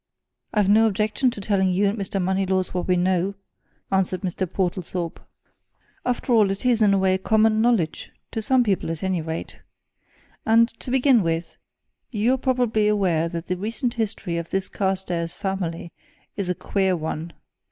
"I've no objection to telling you and Mr. Moneylaws what we know," answered Mr. Portlethorpe. "After all, it is, in a way, common knowledge to some people, at any rate. And to begin with, you are probably aware that the recent history of this Carstairs family is a queer one.